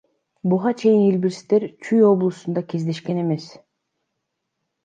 Буга чейин илбирстер Чүй облусунда кездешкен эмес.